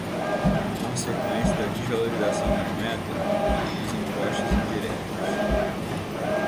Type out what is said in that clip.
em consequência da desvalorização da moeda, dos impostos indiretos